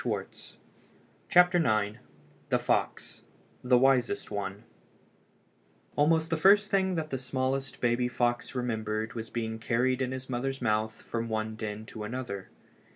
IX THE FOX "THE WISEST ONE" THE WISEST ONE ALMOST the first thing that the smallest baby fox remembered was being carried in his mother's mouth from one den to another.